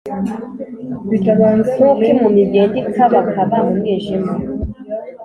nk’uko impumyi igenda ikabakaba mu mwijima,